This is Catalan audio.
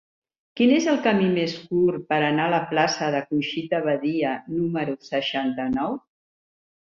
Quin és el camí més curt per anar a la plaça de Conxita Badia número seixanta-nou?